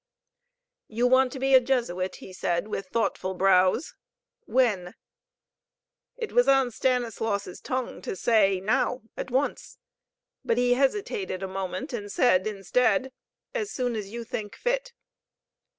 "Yon want to be a Jesuit?" he said, with thoughtful brows. "When?" It was on Stanislaus' tongue to say, "Now, at once." But he hesitated a moment, and said instead, "As soon as you think fit."